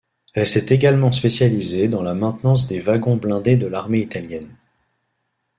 Elle s'est également spécialisée dans la maintenance des wagons blindés de l'armée italienne.